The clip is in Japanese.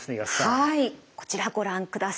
はいこちらご覧ください。